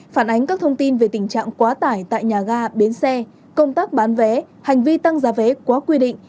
phản ánh các thông tin về tình trạng quá tải tại nhà ga bến xe công tác bán vé hành vi tăng giá vé quá quy định